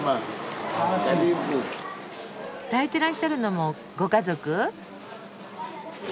抱いてらっしゃるのもご家族？